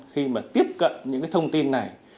khi tiếp cận những thông tin này